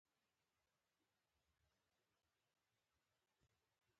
آیا د سړو خونو جوړول روان دي؟